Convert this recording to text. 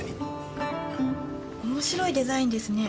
面白いデザインですね。